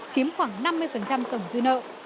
chiếm khoảng năm mươi tổng dư nợ